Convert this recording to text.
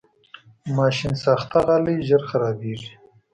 ماشینساخته غالۍ ژر خرابېږي.